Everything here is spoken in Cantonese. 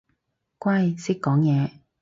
乖，識講嘢